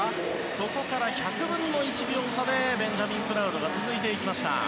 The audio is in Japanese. そこから１００分の１秒差でベンジャミン・プラウドが続いていきました。